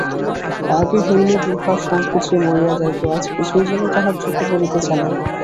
আগে হইলে বিভা সঙ্কোচে মরিয়া যাইত, আজ কিছুই যেন তাহার চোখে পড়িতেছে না।